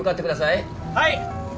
はい！